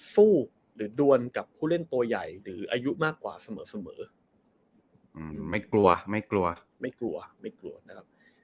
สู้หรือดวนกับผู้เล่นตัวใหญ่หรืออายุมากกว่าเสมอไม่กลัวไม่กลัวไม่กลัวไม่กลัวนะครับ